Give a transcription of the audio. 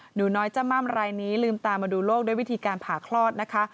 หนูน้อยจ้ำม่ำรายนี้ลืมตามาดูโลกด้วยวิธีการผ่าคลอดนะคะ